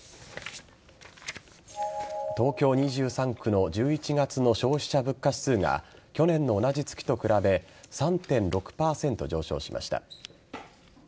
東京２３区の１１月の消費者物価指数が去年の同じ月と比べ３．６％上昇しました。